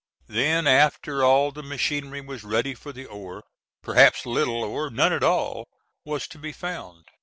Then, after all the machinery was ready for the ore, perhaps little, or none at all, was to be found.